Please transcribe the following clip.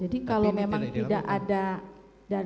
jadi kalau memang tidak ada